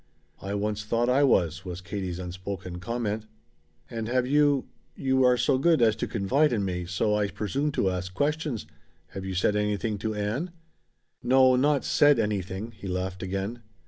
"I once thought I was," was Katie's unspoken comment. "And have you you are so good as to confide in me, so I presume to ask questions have you said anything to Ann?" "No, not said anything," he laughed again.